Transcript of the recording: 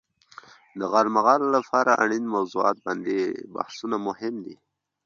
د غالمغال لپاره اړين موضوعات باندې بحثونه مهم دي.